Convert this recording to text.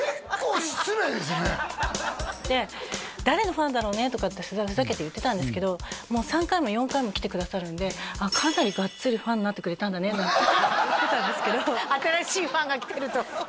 そうです誰のファンだろうねとかってふざけて言ってたんですけどもう３回も４回も来てくださるんでかなりガッツリファンになってくれたんだねなんて言ってたんですけど新しいファンが来てると？